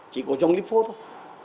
chỉ có dòng lympho thôi